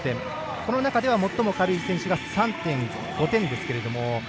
この中では最も軽い選手が３．５点ですけれども。